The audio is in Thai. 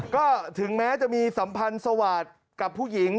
ก็ถึงแม้จะมีสัมพันธ์สวาสตร์กับผู้หญิง